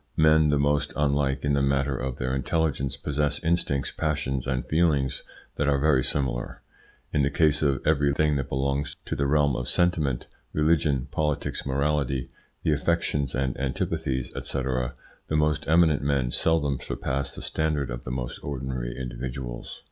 Men the most unlike in the matter of their intelligence possess instincts, passions, and feelings that are very similar. In the case of every thing that belongs to the realm of sentiment religion, politics, morality, the affections and antipathies, &c. the most eminent men seldom surpass the standard of the most ordinary individuals.